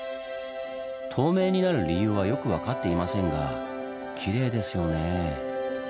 透明になる理由はよく分かっていませんがきれいですよね。